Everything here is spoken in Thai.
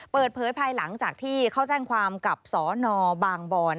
ภายหลังจากที่เขาแจ้งความกับสนบางบอน